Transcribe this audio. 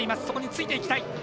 そこについていきたい。